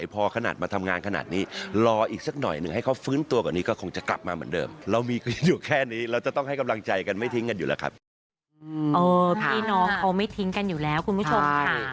พูดง่ายคือแบบยักษ์โจรเขาก็ยังสู้ชีวิตอยู่นะ